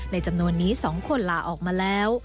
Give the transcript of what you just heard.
จำนวนนี้๒คนลาออกมาแล้ว